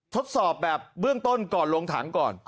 ทดสอบแบบเบื้องต้นก่อนลงถังก่อน